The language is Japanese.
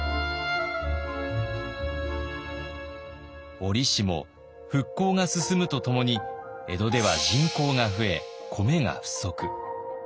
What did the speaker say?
折しも復興が進むとともに江戸では人口が増え米が不足。